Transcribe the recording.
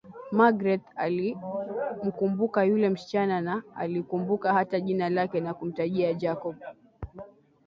Magreth alimkumbuka yule msichana na alikumbuka hata jina lake na kumtajia Jacob